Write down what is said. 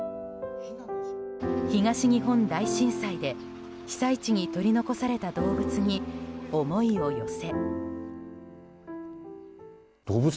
東日本大震災で被災地に取り残された動物に思いを寄せ。